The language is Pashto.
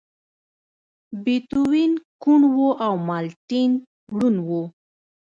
بيتووين کوڼ و او ملټن ړوند و.